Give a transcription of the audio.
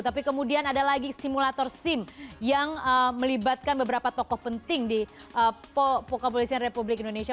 tapi kemudian ada lagi simulator sim yang melibatkan beberapa tokoh penting di kepolisian republik indonesia